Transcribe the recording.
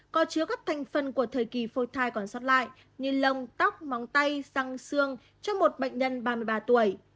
có chứa các thành phần của thời kỳ phôi thai còn sót lại như lông tóc móng tay răng xương cho một bệnh nhân ba mươi ba tuổi